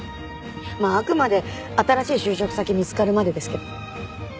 まああくまで新しい就職先見つかるまでですけど。